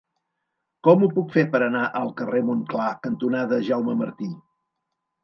Com ho puc fer per anar al carrer Montclar cantonada Jaume Martí?